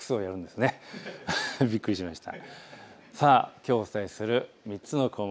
きょうお伝えする３つの項目。